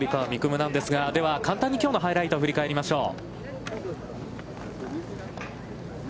夢なんですが、では、簡単にきょうのハイライトを振り返りましょう。